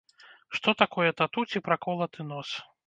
Што такое тату ці праколаты нос?